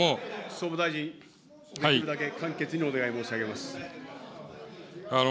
総務大臣、できるだけ簡潔にお願い申し上げます。